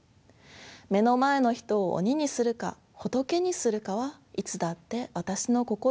目の前の人を「鬼」にするか「仏」にするかはいつだって私の心一つ。